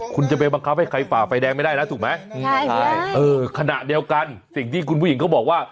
คุณจะไปบังคับให้ใครฝ่าไฟแดงไม่ได้แล้วถูกไหมใช่เออขณะเดียวกันสิ่งที่คุณผู้หญิงเขาบอกว่า